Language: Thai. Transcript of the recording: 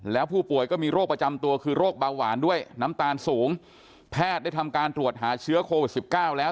แล้วผู้ป่วยก็มีโรคประจำตัวคือโรคเบาหวานด้วยน้ำตาลสูงแพทย์ได้ทำการตรวจหาเชื้อโควิดสิบเก้าแล้ว